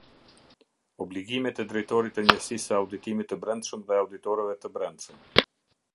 Obligimet e drejtorit të njësisë së auditimit të brendshëm dhe auditorëve të brendshëm.